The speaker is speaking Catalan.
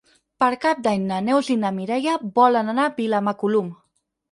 Per Cap d'Any na Neus i na Mireia volen anar a Vilamacolum.